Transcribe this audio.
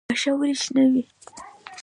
واښه ولې شنه وي؟